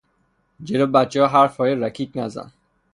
جلو بچهها حرفهای رکیک نزن!